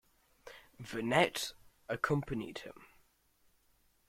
Vernet accompanied him.